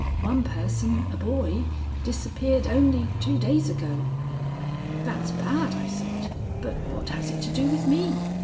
One person, a boy, disappeared only two days ago." "That's bad," I said. "But what has it to do with me?"